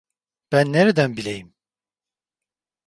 Ben nereden bileyim?